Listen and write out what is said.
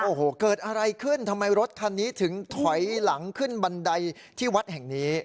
โอ้โหเกิดอะไรขึ้นทำไมรถคันนี้ถึงถอยหลังขึ้นบันไดที่วัดแห่งนี้